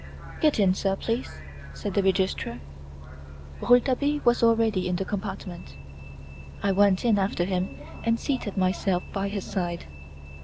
"Get in, sir, please," said the Registrar. Rouletabille was already in the compartment. I went in after him and seated myself by his side.